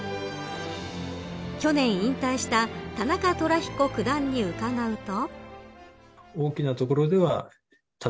去年引退した田中寅彦九段に伺うと。